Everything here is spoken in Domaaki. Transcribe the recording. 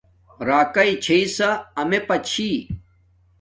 راکاݵ چھݶ سا امیے پا چھی